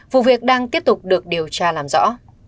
vụ việc đang tiếp tục được điều tra làm rõ